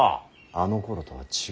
あのころとは違うんだ。